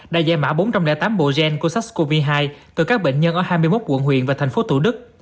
đã giải mã bốn trăm linh tám bộ gen của sars cov hai từ các bệnh nhân ở hai mươi một quận huyện và tp tủ đức